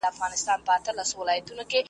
مسافر بیرته کږو لارو ته سم سو .